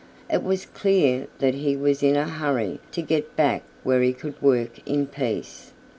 It was clear that he was in a hurry to get back where he could work in peace.